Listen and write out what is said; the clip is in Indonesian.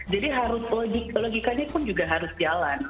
jadi harus logikanya pun juga harus jalan